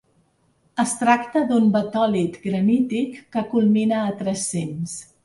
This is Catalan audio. Es tracta d’un batòlit granític que culmina a tres cims.